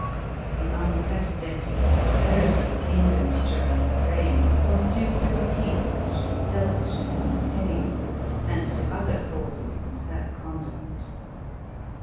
The unprecedented pros perity of England during her reign, was due to the peace which she selfishly maintained, and to other causes than her conduct.